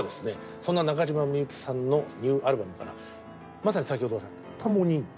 そんな中島みゆきさんのニューアルバムからまさに先ほど「倶に」。